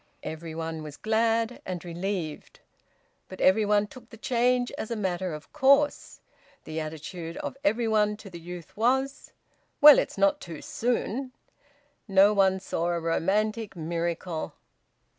Every one was glad and relieved, but every one took the change as a matter of course; the attitude of every one to the youth was: "Well, it's not too soon!" No one saw a romantic miracle.